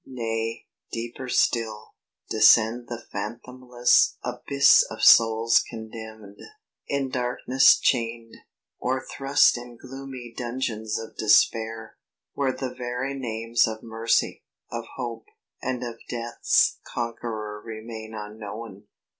Nay, deeper still, descend the fathomless Abyss of souls condemned, in darkness chained, Or thrust in gloomy dungeons of despair Where the very names of Mercy, of Hope, And of death's conqueror remain unknown.